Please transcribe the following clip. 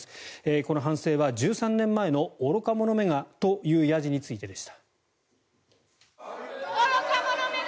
この反省は１３年前の愚か者めがというやじについてでした。